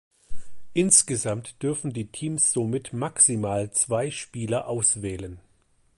Insgesamt dürfen die Teams somit maximal zwei Spieler auswählen.